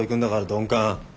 鈍感。